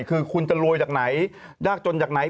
คุณจะโรยจากไหนยากจนใหญ่